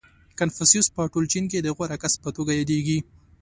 • کنفوسیوس په ټول چین کې د غوره کس په توګه یادېده.